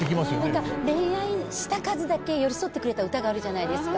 なんか恋愛した数だけ寄り添ってくれた歌があるじゃないですか。